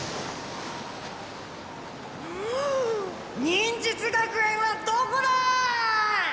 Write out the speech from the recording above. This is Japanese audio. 忍術学園はどこだ！